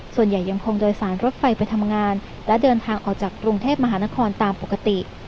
ส่วนใหญ่ยังคงโดยสารรถไฟไปทำงานและเดินทางออกจากกรุงเทพมหานครตามปกติ